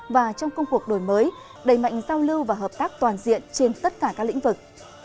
và trong công cuộc đổi mới đầy mạnh giao lưu và hợp tác toàn diện trên tất cả các lĩnh vực